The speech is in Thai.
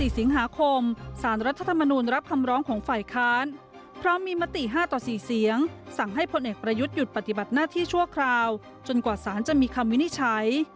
๔สิงหาคมสารรัฐธรรมนูลรับคำร้องของฝ่ายค้านพร้อมมีมติ๕ต่อ๔เสียงสั่งให้พลเอกประยุทธ์หยุดปฏิบัติหน้าที่ชั่วคราวจนกว่าสารจะมีคำวินิจฉัย